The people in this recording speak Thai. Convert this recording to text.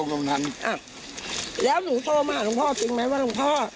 หลงทั้งนั้นอ้าแล้วหนูโทรมาหรือพ่อจริงไหมว่าหลงพ่อ